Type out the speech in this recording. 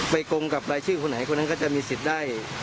โกงกับรายชื่อคนไหนคนนั้นก็จะมีสิทธิ์ได้